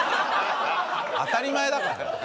当たり前だから。